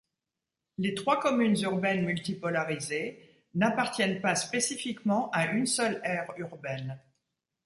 Les trois communes urbaines multipôlarisées n'appartiennent pas spécifiquement à une seule aire urbaine.